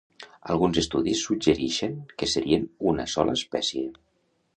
Alguns estudis suggerixen que serien una sola espècie.